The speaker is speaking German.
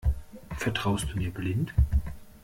Vertraust du mir blind?